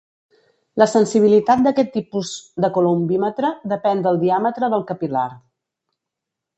La sensibilitat d'aquest tipus de coulombímetre depèn del diàmetre del capil·lar.